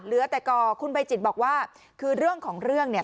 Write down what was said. เหลือแต่ก่อคุณใบจิตบอกว่าคือเรื่องของเรื่องเนี่ย